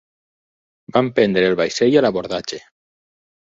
Van prendre el vaixell a l'abordatge.